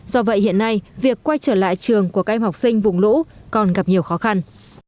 do vậy hiện nay việc quay trở lại trường của các em học sinh vùng lũ còn gặp nhiều khó khăn